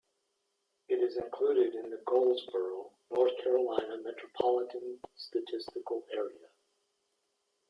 It is included in the Goldsboro, North Carolina Metropolitan Statistical Area.